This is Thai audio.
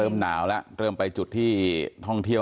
หนาวแล้วเริ่มไปจุดที่ท่องเที่ยว